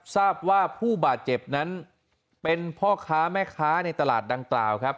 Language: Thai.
ทราบว่าผู้บาดเจ็บนั้นเป็นพ่อค้าแม่ค้าในตลาดดังกล่าวครับ